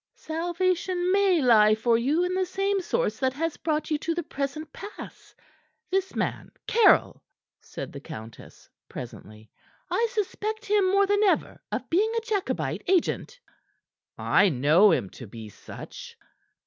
"Salvation may lie for you in the same source that has brought you to the present pass this man Caryll," said the countess presently. "I suspect him more than ever of being a Jacobite agent." "I know him to be such."